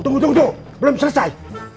tunggu tunggu belum selesai